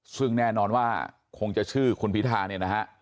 ซึ่งแน่นอนว่าคงจะชื่อคุณพิธาเนี่ยนะฮะ